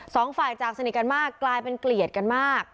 สองฝ่ายจากสนิทกันมากกลายเป็นเกลียดกันมาก